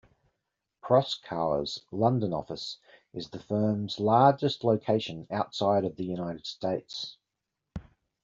Proskauer's London office is the firm's largest location outside of the United States.